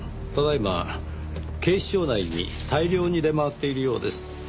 ただ今警視庁内に大量に出回っているようです。